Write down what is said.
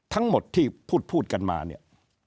ทั้งหมดที่พูดกันมาเนี่ย